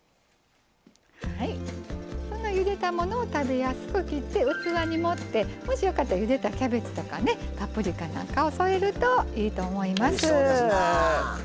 ゆでたものを食べやすく切って器に盛って、もしよかったらゆでたキャベツパプリカなんかを添えると、いいと思います。